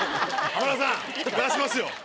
浜田さん目指しますよ。